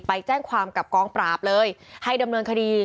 ไปแจ้งความกับกองปราบเลยให้ดำเนินคดี